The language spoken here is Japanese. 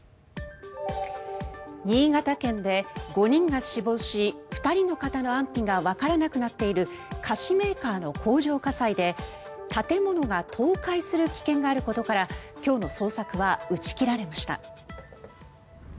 新潟県で５人が死亡し２人の方の安否がわからなくなっている菓子メーカーの工場火災で建物が倒壊する危険があることから今日の捜索は打ち切られました。